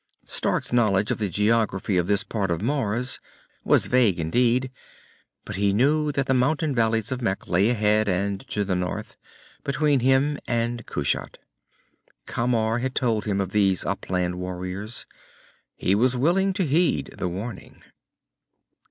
Stark's knowledge of the geography of this part of Mars was vague indeed, but he knew that the mountain valleys of Mekh lay ahead and to the north, between him and Kushat. Camar had told him of these upland warriors. He was willing to heed the warning.